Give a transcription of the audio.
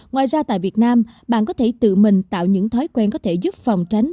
ngoài ra tại việt nam bạn có thể tự mình tạo những thói quen có thể giúp phòng tránh